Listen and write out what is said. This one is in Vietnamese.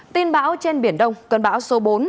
tin bão trên biển đông cơn bão số bốn